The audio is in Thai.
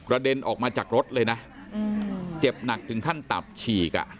เด็นออกมาจากรถเลยนะเจ็บหนักถึงขั้นตับฉีกอ่ะ